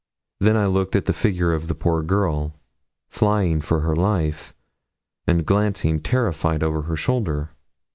Then I looked at the figure of the poor girl, flying for her life, and glancing terrified over her shoulder.